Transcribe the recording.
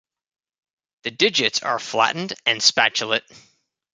The digits are flattened and spatulate.